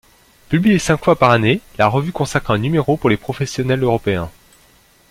Publiée cinq fois par année, la revue consacre un numéro pour les professionnels européens.